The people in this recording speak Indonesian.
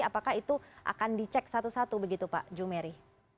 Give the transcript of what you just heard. apakah itu akan dicek satu satu begitu pak jumeri